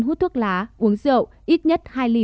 hút thuốc lá uống rượu ít nhất hai ly